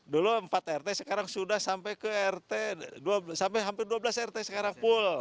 dulu empat rt sekarang sudah sampai ke rt sampai hampir dua belas rt sekarang full